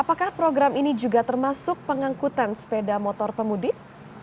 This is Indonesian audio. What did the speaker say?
apakah program ini juga termasuk pengangkutan sepeda motor pemudik